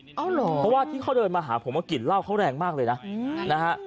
เพราะว่าที่เขาเดินมาหาผมว่ากลิ่นเหล้าเขาแรงมากเลยนะนะฮะ